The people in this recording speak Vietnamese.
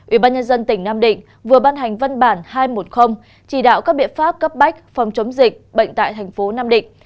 ủy ban nhân dân tỉnh nam định vừa ban hành văn bản hai trăm một mươi chỉ đạo các biện pháp cấp bách phòng chống dịch bệnh tại thành phố nam định